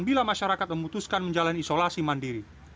bila masyarakat memutuskan menjalani isolasi mandiri